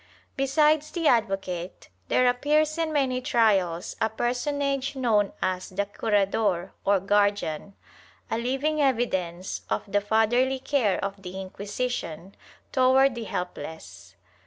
^ Besides the advocate there appears in many trials a personage known as the curador, or guardian, a living evidence of the fatherly care of the Inquisition toward the helpless.